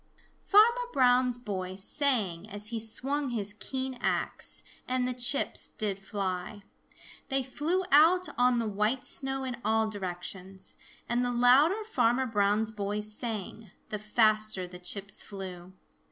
Farmer Brown's boy sang as he swung his keen axe, and the chips did fly. They flew out on the white snow in all directions. And the louder Farmer Brown's boy sang, the faster the chips flew.